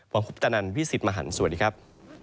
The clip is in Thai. ผมคุปตะนันพี่สิทธิ์มหันฯสวัสดีครับ